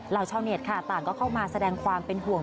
ชาวเน็ตค่ะต่างก็เข้ามาแสดงความเป็นห่วง